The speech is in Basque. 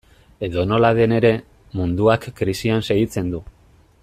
Edonola den ere, munduak krisian segitzen du.